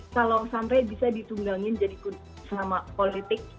kalau sampai bisa ditunggangin jadi sama politik